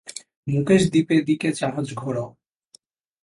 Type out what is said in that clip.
মুকেশ দ্বীপে দিকে জাহাজ ঘোরাও।